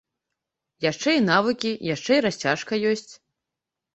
Яшчэ і навыкі, яшчэ і расцяжка ёсць.